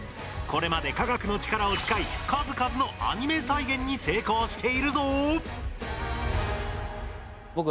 これまで科学の力を使い数々のアニメ再現に成功しているぞ。